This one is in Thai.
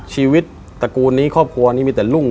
ตระกูลนี้ครอบครัวนี้มีแต่รุ่ง